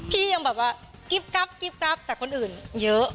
พี่ยังแบบว่ากิ๊บกรับกิ๊บแต่คนอื่นเยอะ